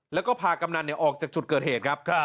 แล้วก็พากำนันออกจากจุดเกิดเหตุครับ